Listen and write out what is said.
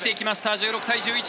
１６対１１。